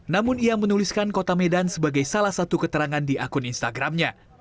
namun ia menuliskan kota medan sebagai salah satu keterangan di akun instagramnya